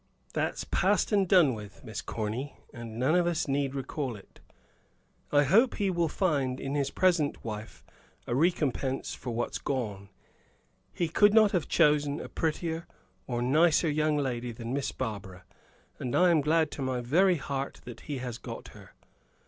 "That's past and done with, Miss Corny, and none of us need recall it. I hope he will find in his present wife a recompense for what's gone; he could not have chosen a prettier or nicer young lady than Miss Barbara; and I am glad to my very heart that he has got her."